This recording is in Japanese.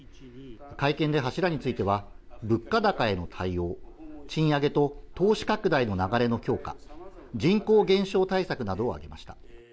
会見で柱については、物価高への対応、賃上げと投資拡大の流れの強化、人口減少対策などを挙げました。